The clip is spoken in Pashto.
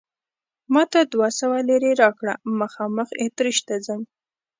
ما ته دوه سوه لیرې راکړه، مخامخ اتریش ته ځم.